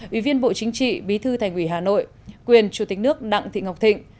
ủy viên bộ chính trị bí thư thành ủy hà nội quyền chủ tịch nước đặng thị ngọc thịnh